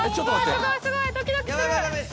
すごいすごいドキドキする。